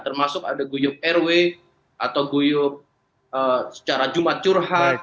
termasuk ada guyuk airway atau guyuk secara jumat curhat